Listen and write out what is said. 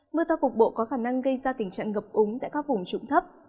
mưa to cục bộ có khả năng gây ra tình trạng ngập úng tại các vùng trụng thấp